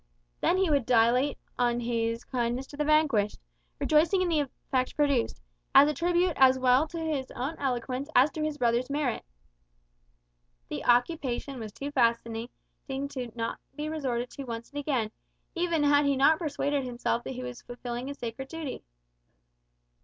Then he would dilate on his kindness to the vanquished; rejoicing in the effect produced, as a tribute as well to his own eloquence as to his brother's merit. The occupation was too fascinating not to be resorted to once and again, even had he not persuaded himself that he was fulfilling a sacred duty.